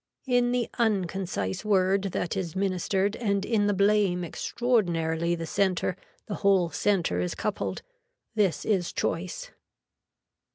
In the unconcise word that is ministered and in the blame extraordinarily the center the whole center is coupled. This is choice.